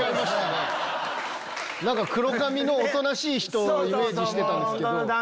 黒髪のおとなしい人をイメージしてたんですけど。